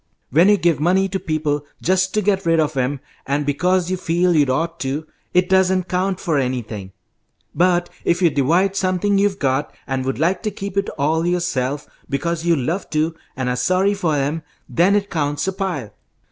"When you give money to people just to get rid of 'em, and because you feel you'd ought to, it doesn't count for anything. But if you divide something you've got, and would like to keep it all yourself, because you love to, and are sorry for 'em, then it counts a pile.